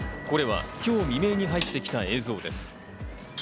これは今日未明に入ってきた映像です。